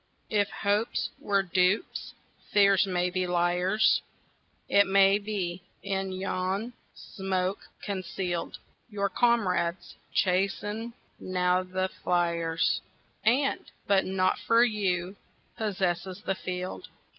If hopes were dupes, fears may be liars; It may be, in yon smoke conceal'd, Your comrades chase e'en now the fliers, And, but for you, possess the field.